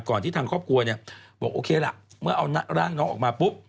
ที่ทางครอบครัวเนี่ยบอกโอเคล่ะเมื่อเอาร่างน้องออกมาปุ๊บ